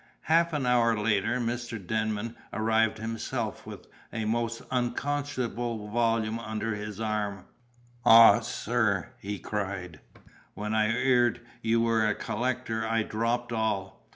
Half an hour later Mr. Denman arrived himself with a most unconscionable volume under his arm. "Ah, sir," he cried, "when I 'eard you was a collector, I dropped all.